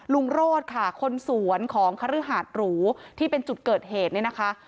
โรธค่ะคนสวนของคฤหาดหรูที่เป็นจุดเกิดเหตุเนี่ยนะคะ